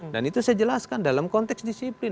dan itu saya jelaskan dalam konteks disiplin